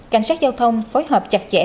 cảnh sát giao thông phối hợp chặt chẽ